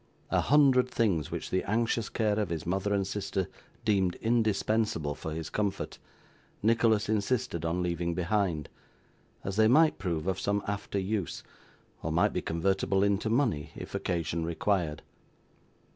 A hundred things which the anxious care of his mother and sister deemed indispensable for his comfort, Nicholas insisted on leaving behind, as they might prove of some after use, or might be convertible into money if occasion required.